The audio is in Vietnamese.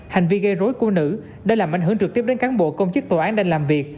hành vi gây rối của nữ đã làm ảnh hưởng trực tiếp đến cán bộ công chức tòa án đang làm việc